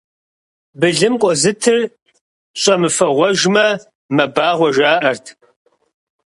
Былым къозытыр щӏэмыфыгъуэжмэ, мэбагъуэ жаӏэрт.